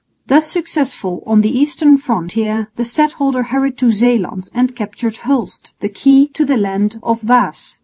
Thus successful on the eastern frontier, the stadholder hurried to Zeeland and captured Hulst, the key to the land of Waas.